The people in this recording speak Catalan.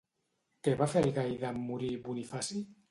Què va fer Algaida en morir Bonifaci?